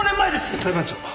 裁判長。